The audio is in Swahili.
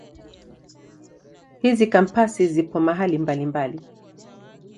Hizi Kampasi zipo mahali mbalimbali.